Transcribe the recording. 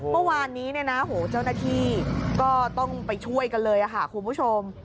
เมื่อวานนี้เนี่ยนะโหเจ้าหน้าที่ก็ต้องไปช่วยกันเลยค่ะคุณผู้ชม